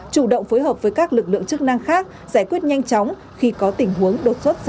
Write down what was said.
chủ động phối hợp với các lực lượng chức năng khác giải quyết nhanh chóng khi có tình huống đột xuất xảy ra